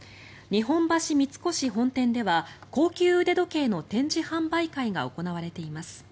日本橋三越本店では高級腕時計の展示販売会が行われています。